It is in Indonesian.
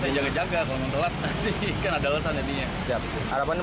saya jaga jaga kalau telat kan ada lesan nantinya